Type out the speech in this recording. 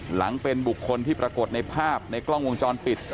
หลังเป็นบุคคลที่ปรากฏในภาพในกล้องวงจรปิด